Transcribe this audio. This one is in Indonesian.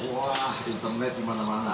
wah internet gimana mana